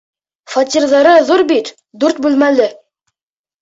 Фатирҙары ҙур бит, дүрт бүлмәле.